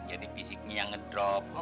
jadi fisiknya ngedrop